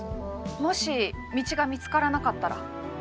もし道が見つからなかったら？